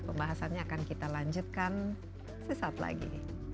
pembahasannya akan kita lanjutkan sesaat lagi